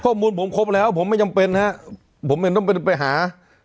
ข้อมูลผมครบแล้วผมไม่จำเป็นฮะผมเห็นต้องเป็นไปหา